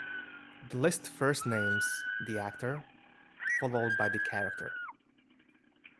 The list first names the actor, followed by the character.